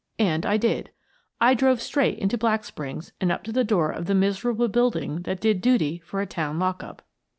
And I did. I drove straight into Black Springs and up to the door of the miserable building that did duty for a town lockup.